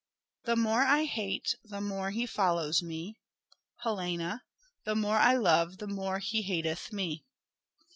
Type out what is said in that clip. The more I hate the more he follows me. Helena. The more I love the more he hateth me.